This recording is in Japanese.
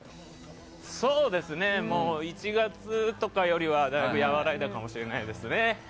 もう１月とかよりは、だいぶ和らいだかもしれないですね。